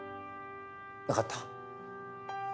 わかった。